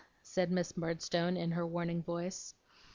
said Miss Murdstone, in her warning voice.